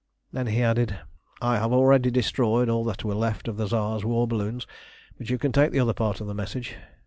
Then he added: "I have already destroyed all that were left of the Tsar's war balloons, but you can take the other part of the message.